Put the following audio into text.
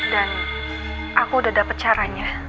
dan aku udah dapet caranya